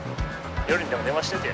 「夜にでも電話しといてよ」